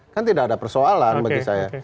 kan tidak ada persoalan bagi saya